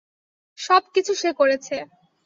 সবকিছু সে করেছে।